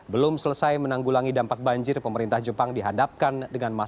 belum selesai menanggulangi dampak banjir pemerintah jepang dihadapkan dengan masalah